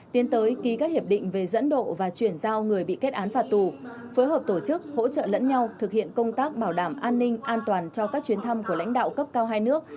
tiến tới ký các hiệp định về dẫn độ và chuyển giao người bị kết án phạt tù phối hợp tổ chức hỗ trợ lẫn nhau thực hiện công tác bảo đảm an ninh an toàn cho các chuyến thăm của lãnh đạo cấp cao hai nước